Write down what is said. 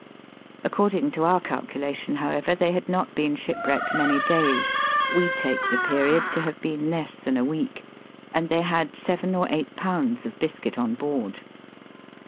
According to our calculation, however, they had not been ship wrecked many days — we take the period to have been less than a week — and they had had seven or eight pounds of biscuit on board.